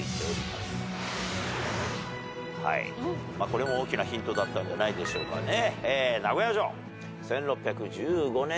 これも大きなヒントだったんじゃないでしょうかね。